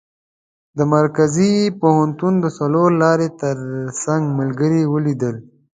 د مرکزي پوهنتون د څلور لارې تر څنګ ملګري ولیدل.